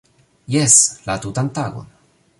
- Jes! - La tutan tagon